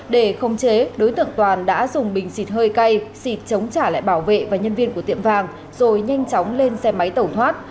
để không chế đối tượng toàn đã dùng bình xịt hơi cay xịt chống trả lại bảo vệ và nhân viên của tiệm vàng rồi nhanh chóng lên xe máy tẩu thoát